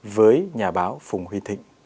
với nhà báo phùng huy thịnh